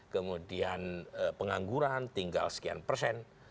kemudian pengangguran tinggal sekian persen